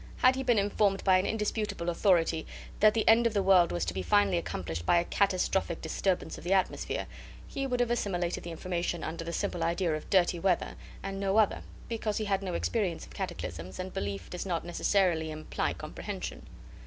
Had he been informed by an indisputable authority that the end of the world was to be finally accomplished by a catastrophic disturbance of the atmosphere, he would have assimilated the information under the simple idea of dirty weather, and no other, because he had no experience of cataclysms, and belief does not necessarily imply comprehension.